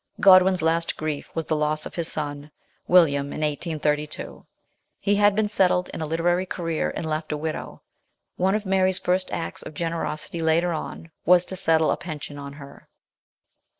" Godwin's last grief was the loss of his son William in 1832 ; he had been settled in a literary career and left a widow. One of Mary's first acts of generosity later on was to settle a pension on her.